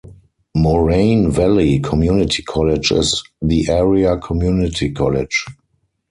Moraine Valley Community College is the area community college.